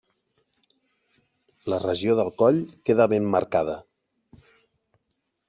La regió del coll queda ben marcada.